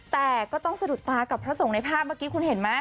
แต่ก็ต้องสะดุดตากับพระสงฆ์ในภาพเมื่อกี้คุณเห็นไหม